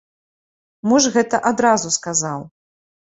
Муж гэта адразу сказаў.